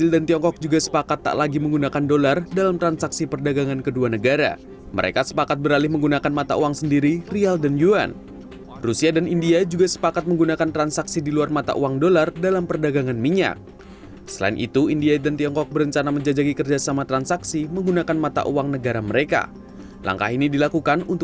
dan mempertahankan nilai fungsi ekonomi yang argentina butuhkan